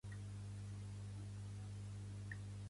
Què representava aquesta obra, que va ser molt festejada?